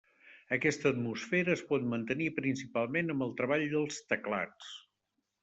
Aquesta atmosfera es pot mantenir principalment amb el treball dels teclats.